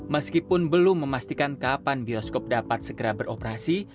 meskipun belum memastikan kapan bioskop dapat segera beroperasi